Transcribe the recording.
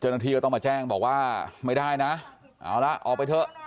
เจ้าหน้าที่ก็ต้องมาแจ้งบอกว่าไม่ได้นะเอาละออกไปเถอะ